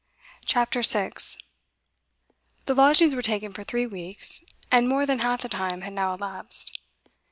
CHAPTER 6 The lodgings were taken for three weeks, and more than half the time had now elapsed.